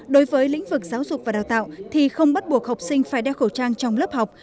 đối với lĩnh vực giáo dục và đào tạo thì không bắt buộc học sinh phải đeo khẩu trang trong lớp học